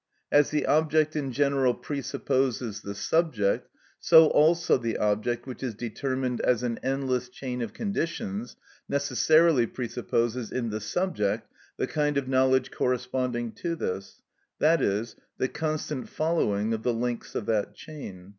As the object in general presupposes the subject, so also the object which is determined as an endless chain of conditions necessarily presupposes in the subject the kind of knowledge corresponding to this, that is, the constant following of the links of that chain.